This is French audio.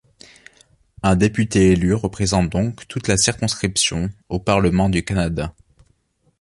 Un député élu représente donc toute la circonscription au Parlement du Canada.